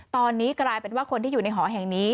ตอนนี้กลายเป็นว่าคนที่อยู่ในหอแห่งนี้